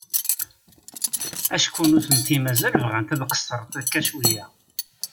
Acku nutenti mazal bɣant ad qesrent akka cwiay.